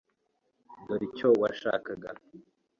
Dore icyo washakaga .